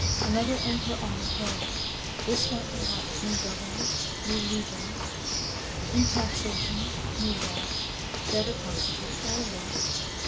Another emperor on the throne ! this meant perhaps new governors, new le gions, new taxations, new laws, better possibl) — or worse.